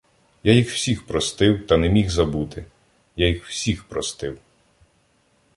Я їх всіх простив та не міг забути. Я їх всіх простив.